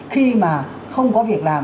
khi mà không có việc làm